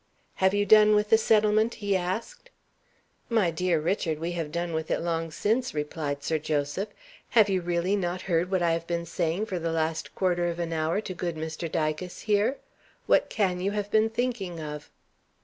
"Have you done with the settlement?" he asked. "My dear Richard, we have done with it long since," replied Sir Joseph. "Have you really not heard what I have been saying for the last quarter of an hour to good Mr. Dicas here? What can you have been thinking of?"